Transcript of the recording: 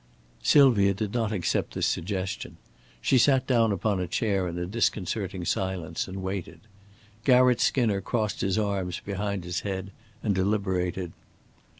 Sylvia did not accept this suggestion. She sat down upon a chair in a disconcerting silence, and waited. Garratt Skinner crossed his arms behind his head and deliberated.